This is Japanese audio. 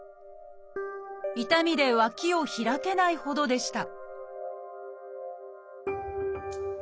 痛みで脇を開けないほどでした